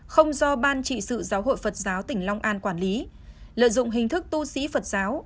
không do ban trị sự giáo hội phật giáo tỉnh long an quản lý lợi dụng hình thức tu sĩ phật giáo